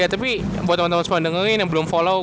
ya tapi buat temen temen semua yang dengerin yang belum follow